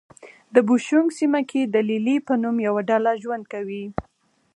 د بوشونګ سیمه کې د لې لې په نوم یوه ډله ژوند کوي.